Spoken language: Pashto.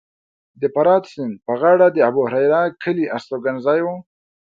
د فرات سیند په غاړه د ابوهریره کلی هستوګنځی و